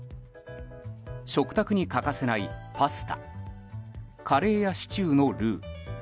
食卓に欠かせないパスタカレーやシチューのルー。